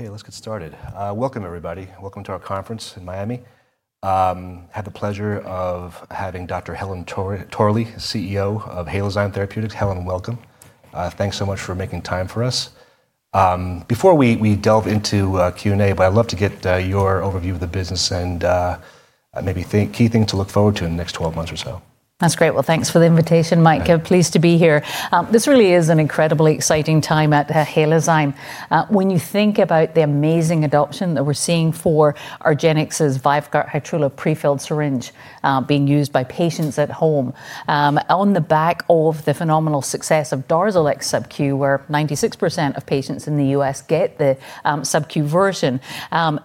Okay, let's get started. Welcome, everybody. Welcome to our conference in Miami. I have the pleasure of having Dr. Helen Torley, CEO of Halozyme Therapeutics. Helen, welcome. Thanks so much for making time for us. Before we delve into Q&A, I'd love to get your overview of the business and maybe key things to look forward to in the next 12 months or so. That's great. Well, thanks for the invitation, Michael. Pleased to be here. This really is an incredibly exciting time at Halozyme. When you think about the amazing adoption that we're seeing for argenx's VYVGART Hytrulo prefilled syringe being used by patients at home, on the back of the phenomenal success of DARZALEX subQ, where 96% of patients in the US get the subQ version,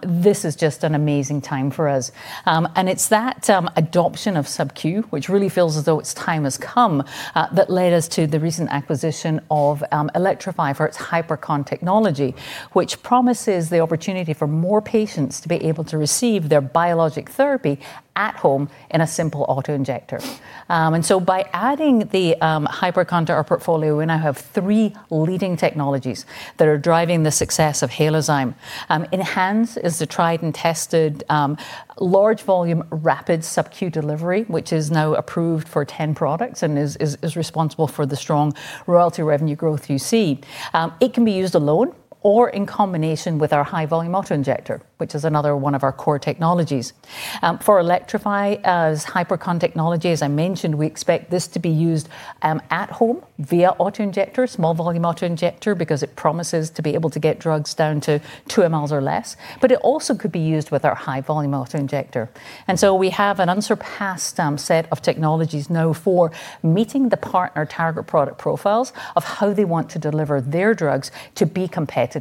this is just an amazing time for us. And it's that adoption of subQ, which really feels as though its time has come, that led us to the recent acquisition of Elektrofi for its Hypercon technology, which promises the opportunity for more patients to be able to receive their biologic therapy at home in a simple autoinjector. And so by adding the Hypercon to our portfolio, we now have three leading technologies that are driving the success of Halozyme. ENHANZE is the tried and tested large volume rapid subQ delivery, which is now approved for 10 products and is responsible for the strong royalty revenue growth you see. It can be used alone or in combination with our high volume autoinjector, which is another one of our core technologies. For Elektrofi's Hypercon technology, as I mentioned, we expect this to be used at home via autoinjector, small volume autoinjector, because it promises to be able to get drugs down to 2 mL or less, but it also could be used with our high volume autoinjector. And so we have an unsurpassed set of technologies now for meeting the partner target product profiles of how they want to deliver their drugs to be competitive.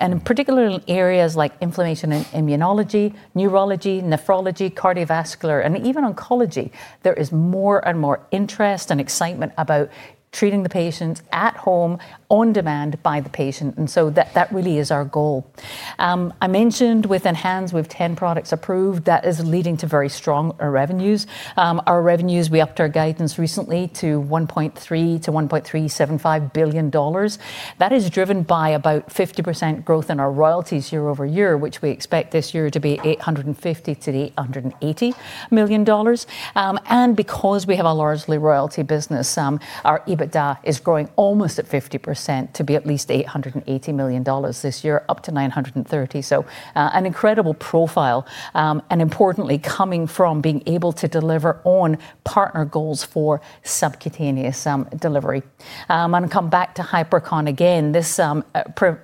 In particular, in areas like inflammation and immunology, neurology, nephrology, cardiovascular, and even oncology, there is more and more interest and excitement about treating the patients at home on demand by the patient. That really is our goal. I mentioned with ENHANZE, we have 10 products approved. That is leading to very strong revenues. Our revenues, we upped our guidance recently to $1.3 billion-$1.375 billion. That is driven by about 50% growth in our royalties year over year, which we expect this year to be $850 million-$880 million. Because we have a largely royalty business, our EBITDA is growing almost at 50% to be at least $880 million this year, up to $930 million. An incredible profile, and importantly, coming from being able to deliver on partner goals for subcutaneous delivery. Come back to Hypercon again. This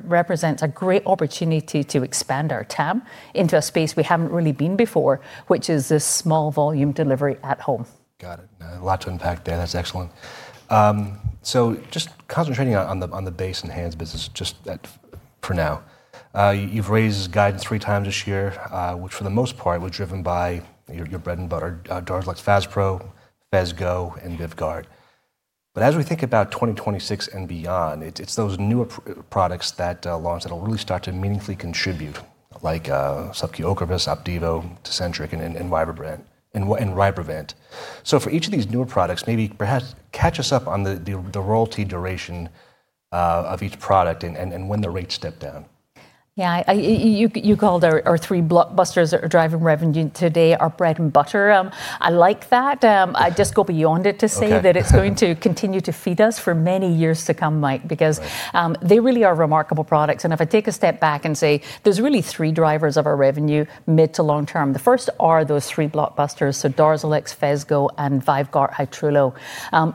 represents a great opportunity to expand our tab into a space we haven't really been before, which is this small volume delivery at home. Got it. A lot to unpack there. That's excellent. So just concentrating on the base ENHANZE business just for now, you've raised guidance three times this year, which for the most part was driven by your bread and butter, DARZALEX Faspro, Phesgo, and VYVGART. But as we think about 2026 and beyond, it's those newer products that launch that will really start to meaningfully contribute, like subQ OCREVUS, OPDIVO, TECENTRIQ, and RYBREVANT. So for each of these newer products, maybe perhaps catch us up on the royalty duration of each product and when the rates step down. Yeah, you called our three blockbusters that are driving revenue today our bread and butter. I like that. I just go beyond it to say that it's going to continue to feed us for many years to come, Mike, because they really are remarkable products. And if I take a step back and say there's really three drivers of our revenue mid to long term. The first are those three blockbusters, so DARZALEX, Phesgo, and VYVGART Hytrulo.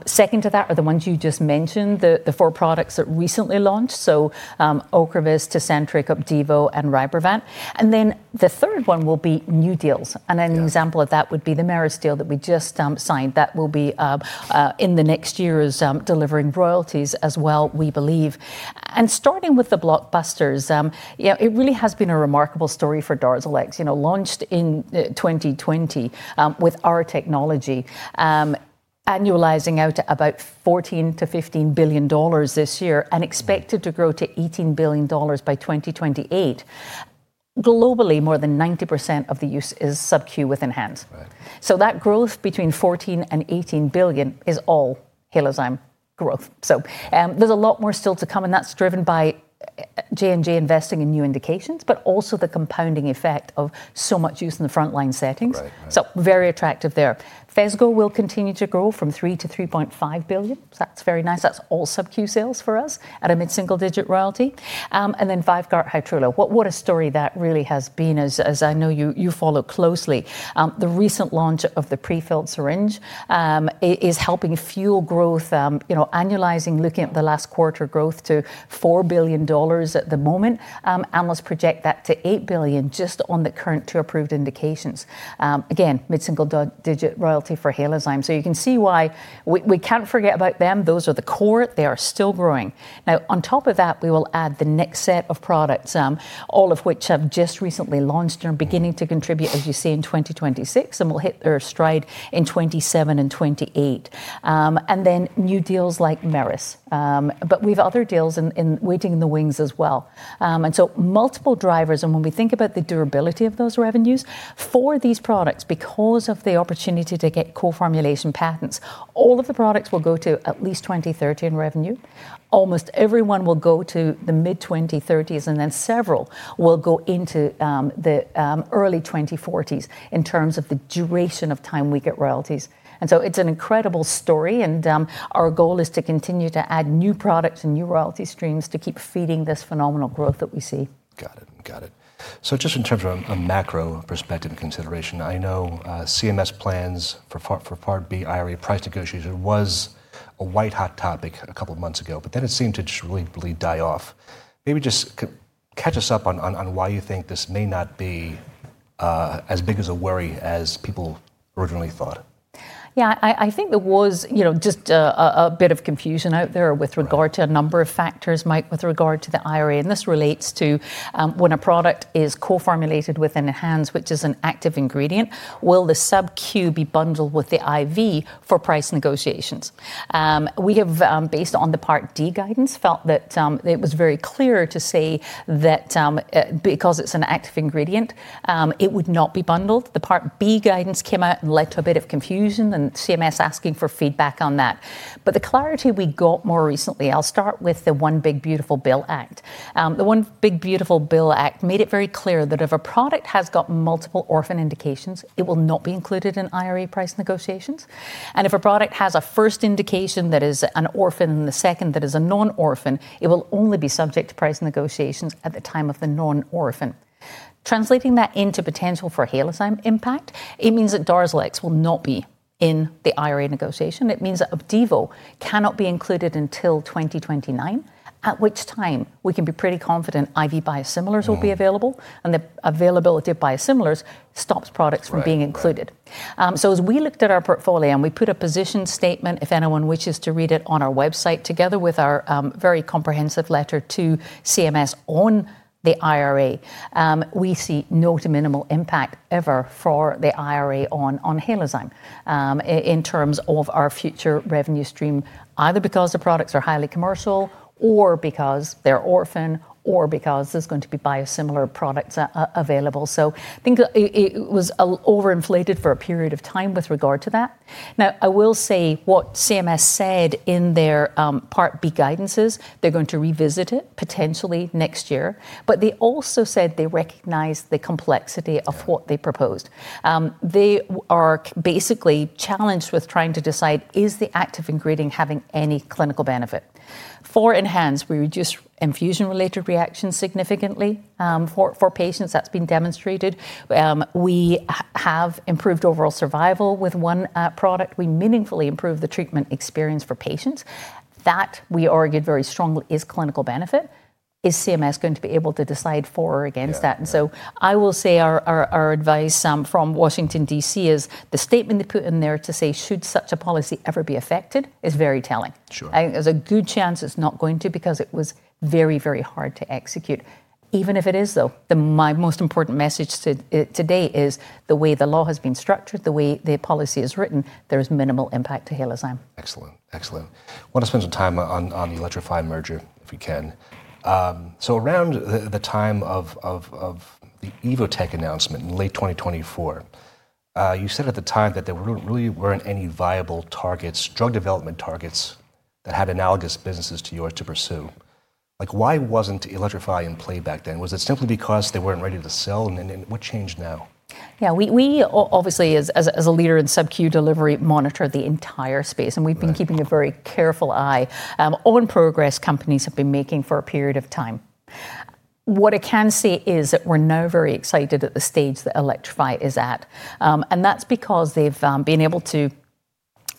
Second to that are the ones you just mentioned, the four products that recently launched, so OCREVUS, TECENTRIQ, OPDIVO, and RYBREVANT. And then the third one will be new deals. And an example of that would be the Merus deal that we just signed that will be in the next year delivering royalties as well, we believe. And starting with the blockbusters, it really has been a remarkable story for DARZALEX. Launched in 2020 with our technology, annualizing out to about $14 billion-$15 billion this year and expected to grow to $18 billion by 2028. Globally, more than 90% of the use is subQ with ENHANZE. So that growth between $14 billion and $18 billion is all Halozyme growth. So there's a lot more still to come. And that's driven by J&J investing in new indications, but also the compounding effect of so much use in the frontline settings. So very attractive there. Phesgo will continue to grow from $3 billion-$3.5 billion. That's very nice. That's all subQ sales for us at a mid-single-digit royalty. And then VYVGART Hytrulo. What a story that really has been, as I know you follow closely. The recent launch of the prefilled syringe is helping fuel growth, annualizing, looking at the last quarter growth to $4 billion at the moment. Analysts project that to $8 billion just on the current two approved indications. Again, mid-single digit royalty for Halozyme. So you can see why we can't forget about them. Those are the core. They are still growing. Now, on top of that, we will add the next set of products, all of which have just recently launched and are beginning to contribute, as you see in 2026, and will hit their stride in 2027 and 2028. And then new deals like Merus, but we have other deals waiting in the wings as well. And so multiple drivers. And when we think about the durability of those revenues for these products, because of the opportunity to get core formulation patents, all of the products will go to at least 2030 in revenue. Almost everyone will go to the mid-2030s, and then several will go into the early 2040s in terms of the duration of time we get royalties. And so it's an incredible story. And our goal is to continue to add new products and new royalty streams to keep feeding this phenomenal growth that we see. Got it. Got it. So just in terms of a macro perspective and consideration, I know CMS plans for Part B IRA price negotiation was a white-hot topic a couple of months ago, but then it seemed to just really die off. Maybe just catch us up on why you think this may not be as big of a worry as people originally thought. Yeah, I think there was just a bit of confusion out there with regard to a number of factors, Mike, with regard to the IRA. And this relates to when a product is co-formulated with ENHANZE, which is an active ingredient, will the subQ be bundled with the IV for price negotiations? We have, based on the Part D guidance, felt that it was very clear to say that because it's an active ingredient, it would not be bundled. The Part B guidance came out and led to a bit of confusion and CMS asking for feedback on that. But the clarity we got more recently, I'll start with the One Big Beautiful Bill Act. The One Big Beautiful Bill Act made it very clear that if a product has got multiple orphan indications, it will not be included in IRA price negotiations. And if a product has a first indication that is an orphan and the second that is a non-orphan, it will only be subject to price negotiations at the time of the non-orphan. Translating that into potential for Halozyme impact, it means that DARZALEX will not be in the IRA negotiation. It means that OPDIVO cannot be included until 2029, at which time we can be pretty confident IV biosimilars will be available, and the availability of biosimilars stops products from being included. So as we looked at our portfolio and we put a position statement, if anyone wishes to read it on our website together with our very comprehensive letter to CMS on the IRA, we see no to minimal impact ever for the IRA on Halozyme in terms of our future revenue stream, either because the products are highly commercial or because they're orphan or because there's going to be biosimilar products available. So I think it was overinflated for a period of time with regard to that. Now, I will say what CMS said in their Part B guidance is they're going to revisit it potentially next year, but they also said they recognize the complexity of what they proposed. They are basically challenged with trying to decide is the active ingredient having any clinical benefit. For ENHANZE, we reduce infusion-related reactions significantly for patients. That's been demonstrated. We have improved overall survival with one product. We meaningfully improve the treatment experience for patients. That we argued very strongly is clinical benefit. Is CMS going to be able to decide for or against that? And so I will say our advice from Washington, DC, is the statement they put in there to say, should such a policy ever be affected, is very telling. There's a good chance it's not going to because it was very, very hard to execute. Even if it is, though, my most important message today is the way the law has been structured, the way the policy is written, there is minimal impact to Halozyme. Excellent. Excellent. I want to spend some time on the Elektrofi merger if we can. So around the time of the EvoTech announcement in late 2024, you said at the time that there really weren't any viable targets, drug development targets that had analogous businesses to yours to pursue. Why wasn't Elektrofi in play back then? Was it simply because they weren't ready to sell? And what changed now? Yeah, we obviously, as a leader in subQ delivery, monitor the entire space, and we've been keeping a very careful eye on progress companies have been making for a period of time. What I can say is that we're now very excited at the stage that Elektrofi is at. And that's because they've been able to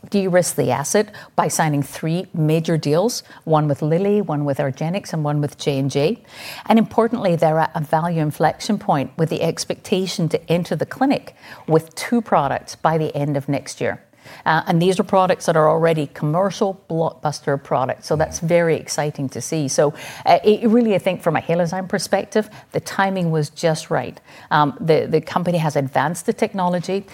de-risk the asset by signing three major deals, one with Lilly, one with argenx, and one with J&J. And importantly, they're at a value inflection point with the expectation to enter the clinic with two products by the end of next year. And these are products that are already commercial blockbuster products. So that's very exciting to see. So really, I think from a Halozyme perspective, the timing was just right. The company has advanced the technology.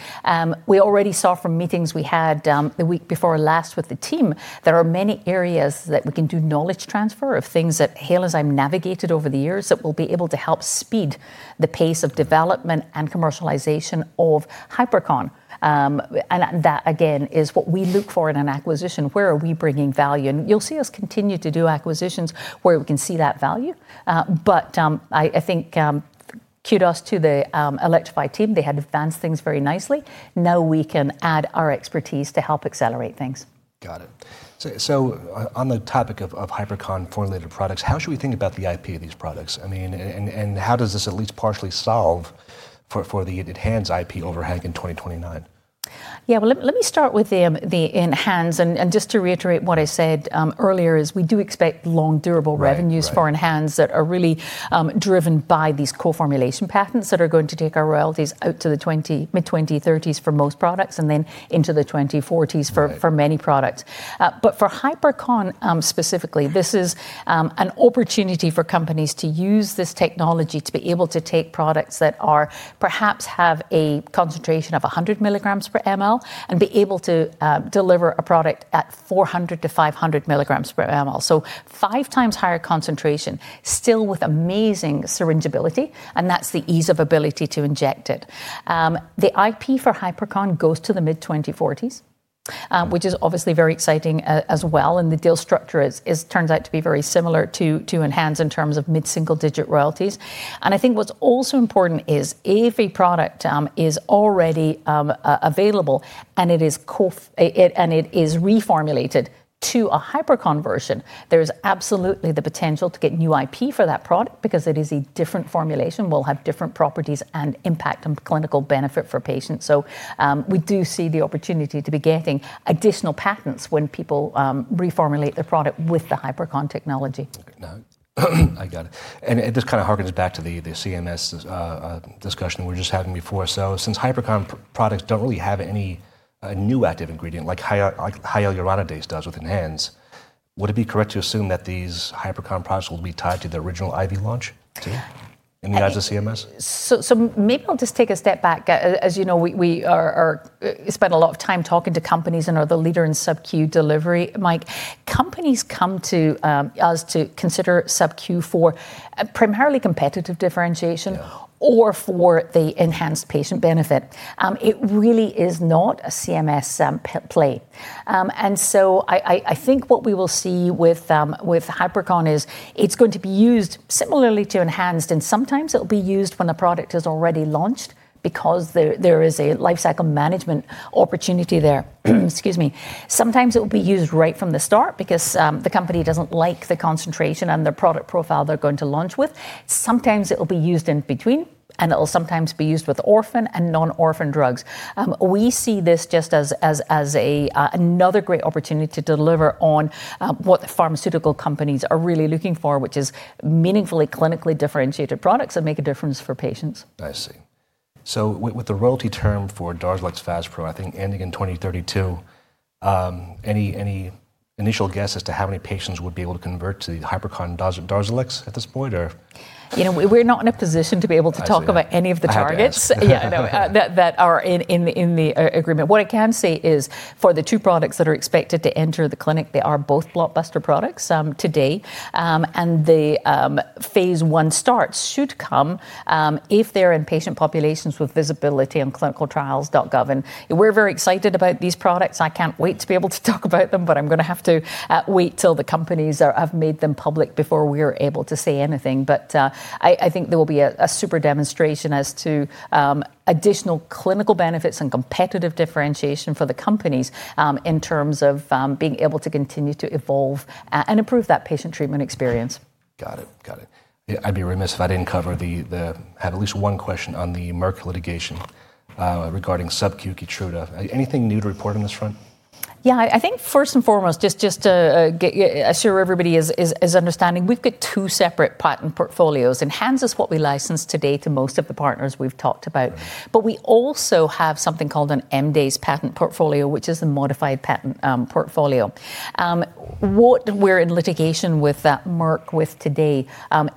We already saw from meetings we had the week before last with the team that there are many areas that we can do knowledge transfer of things that Halozyme navigated over the years that will be able to help speed the pace of development and commercialization of Hypercon. And that, again, is what we look for in an acquisition. Where are we bringing value? And you'll see us continue to do acquisitions where we can see that value. But I think kudos to the Elektrofi team. They had advanced things very nicely. Now we can add our expertise to help accelerate things. Got it. So on the topic of Hypercon formulated products, how should we think about the IP of these products? I mean, and how does this at least partially solve for the ENHANZE IP overhang in 2029? Yeah, well, let me start with the ENHANZE. And just to reiterate what I said earlier is we do expect long durable revenues for ENHANZE that are really driven by these core formulation patents that are going to take our royalties out to the mid-2030s for most products and then into the 2040s for many products. But for Hypercon specifically, this is an opportunity for companies to use this technology to be able to take products that perhaps have a concentration of 100 mg per mL and be able to deliver a product at 400 mg per mL to 500 mg per mL. So five times higher concentration, still with amazing syringeability. And that's the ease of ability to inject it. The IP for Hypercon goes to the mid-2040s, which is obviously very exciting as well. The deal structure turns out to be very similar to ENHANZE in terms of mid-single digit royalties. I think what's also important is every product is already available and it is reformulated to a Hypercon version. There is absolutely the potential to get new IP for that product because it is a different formulation. We'll have different properties and impact on clinical benefit for patients. So we do see the opportunity to be getting additional patents when people reformulate their product with the Hypercon technology. Now, I got it. And it just kind of harkens back to the CMS discussion we were just having before. So since Hypercon products don't really have any new active ingredient like hyaluronidase does with ENHANZE, would it be correct to assume that these Hypercon products will be tied to the original IV launch too in the eyes of CMS? So maybe I'll just take a step back. As you know, we spent a lot of time talking to companies and are the leader in subQ delivery. Mike, companies come to us to consider subQ for primarily competitive differentiation or for the enhanced patient benefit. It really is not a CMS play. And so I think what we will see with Hypercon is it's going to be used similarly to ENHANZE. And sometimes it'll be used when a product is already launched because there is a life cycle management opportunity there. Excuse me. Sometimes it will be used right from the start because the company doesn't like the concentration and the product profile they're going to launch with. Sometimes it will be used in between, and it'll sometimes be used with orphan and non-orphan drugs. We see this just as another great opportunity to deliver on what pharmaceutical companies are really looking for, which is meaningfully clinically differentiated products that make a difference for patients. I see. So with the royalty term for DARZALEX Faspro, I think ending in 2032, any initial guess as to how many patients would be able to convert to the Hypercon DARZALEX at this point? You know, we're not in a position to be able to talk about any of the targets that are in the agreement. What I can say is for the two products that are expected to enter the clinic, they are both blockbuster products today, and the phase I starts should come if they're in patient populations with visibility on ClinicalTrials.gov, and we're very excited about these products. I can't wait to be able to talk about them, but I'm going to have to wait till the companies have made them public before we are able to say anything, but I think there will be a super demonstration as to additional clinical benefits and competitive differentiation for the companies in terms of being able to continue to evolve and improve that patient treatment experience. Got it. Got it. I'd be remiss if I didn't cover that we have at least one question on the Merck litigation regarding subQ Keytruda. Anything new to report on this front? Yeah, I think first and foremost, just to assure everybody is understanding, we've got two separate patent portfolios. ENHANZE is what we license today to most of the partners we've talked about. But we also have something called an MDASE patent portfolio, which is a modified patent portfolio. What we're in litigation with Merck today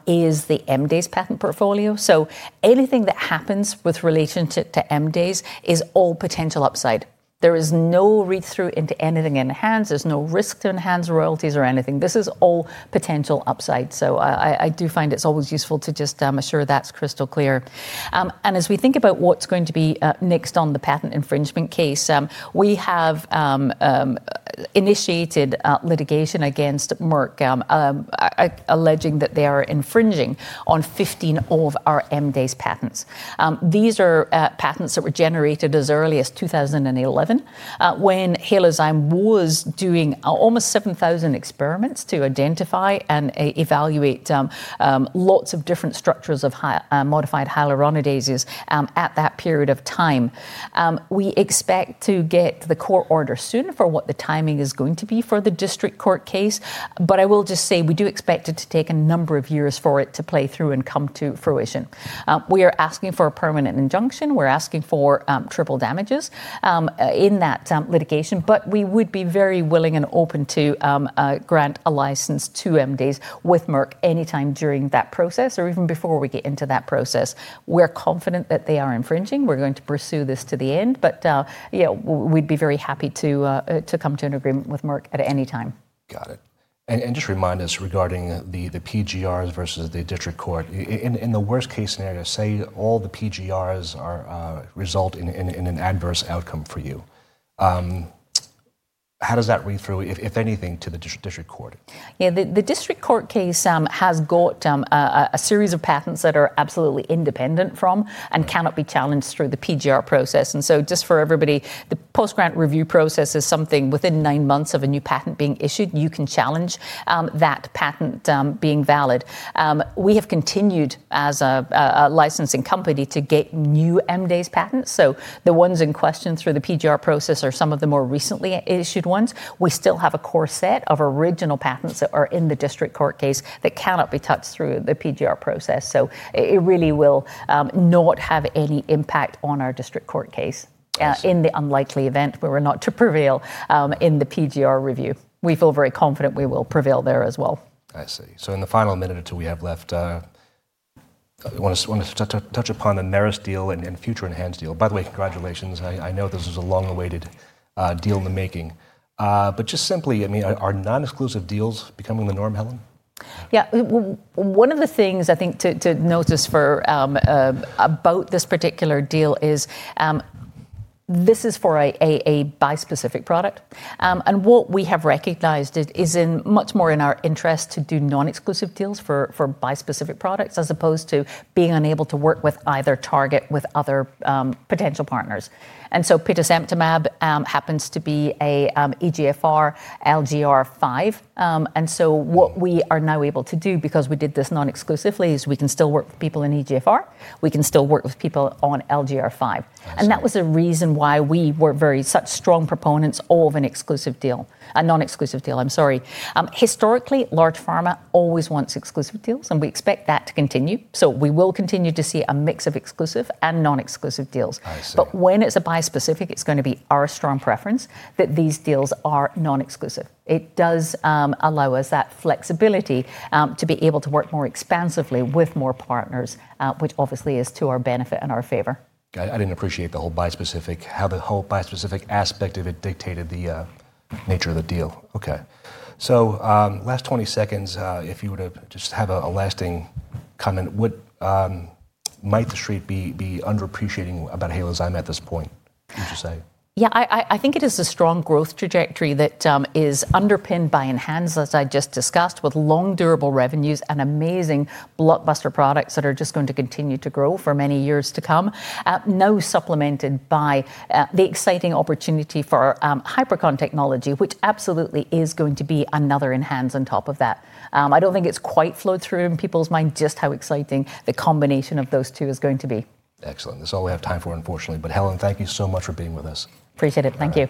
is the MDASE patent portfolio. So anything that happens with relation to MDASE is all potential upside. There is no read-through into anything in ENHANZE. There's no risk to ENHANZE royalties or anything. This is all potential upside. So I do find it's always useful to just assure that's crystal clear. As we think about what's going to be next on the patent infringement case, we have initiated litigation against Merck alleging that they are infringing on 15 of our MDASE patents. These are patents that were generated as early as 2011 when Halozyme was doing almost 7,000 experiments to identify and evaluate lots of different structures of modified hyaluronidases at that period of time. We expect to get the court order soon for what the timing is going to be for the district court case. But I will just say we do expect it to take a number of years for it to play through and come to fruition. We are asking for a permanent injunction. We're asking for triple damages in that litigation. But we would be very willing and open to grant a license to MDASE with Merck anytime during that process or even before we get into that process. We're confident that they are infringing. We're going to pursue this to the end. But we'd be very happy to come to an agreement with Merck at any time. Got it. And just remind us regarding the PGRs versus the district court. In the worst case scenario, say all the PGRs result in an adverse outcome for you. How does that read through, if anything, to the district court? Yeah, the district court case has got a series of patents that are absolutely independent from and cannot be challenged through the PGR process. And so just for everybody, the post-grant review process is something within nine months of a new patent being issued, you can challenge that patent being valid. We have continued as a licensing company to get new MDASE patents. So the ones in question through the PGR process are some of the more recently issued ones. We still have a core set of original patents that are in the district court case that cannot be touched through the PGR process. So it really will not have any impact on our district court case in the unlikely event we were not to prevail in the PGR review. We feel very confident we will prevail there as well. I see. So in the final minute or two we have left, I want to touch upon the Merus deal and future ENHANZE deal. By the way, congratulations. I know this is a long-awaited deal in the making. But just simply, I mean, are non-exclusive deals becoming the norm, Helen? Yeah. One of the things I think to notice about this particular deal is this is for a bispecific product. And what we have recognized is much more in our interest to do non-exclusive deals for bispecific products as opposed to being unable to work with either target with other potential partners. And so Petosemtamab happens to be an EGFR LGR5. And so what we are now able to do because we did this non-exclusively is we can still work with people in EGFR. We can still work with people on LGR5. And that was the reason why we were such strong proponents of an exclusive deal, a non-exclusive deal, I'm sorry. Historically, large pharma always wants exclusive deals, and we expect that to continue. So we will continue to see a mix of exclusive and non-exclusive deals. But when it's a bispecific, it's going to be our strong preference that these deals are non-exclusive. It does allow us that flexibility to be able to work more expansively with more partners, which obviously is to our benefit and our favor. I didn't appreciate the whole bispecific, how the whole bispecific aspect of it dictated the nature of the deal. Okay. So last 20 seconds, if you were to just have a lasting comment, what might the street be underappreciating about Halozyme at this point? What would you say? Yeah, I think it is a strong growth trajectory that is underpinned by ENHANZE, as I just discussed, with long durable revenues and amazing blockbuster products that are just going to continue to grow for many years to come. Now supplemented by the exciting opportunity for Hypercon technology, which absolutely is going to be another ENHANZE on top of that. I don't think it's quite flowed through in people's mind just how exciting the combination of those two is going to be. Excellent. That's all we have time for, unfortunately, but Helen, thank you so much for being with us. Appreciate it. Thank you.